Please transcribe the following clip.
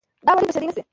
دا وړۍ به شړۍ نه شي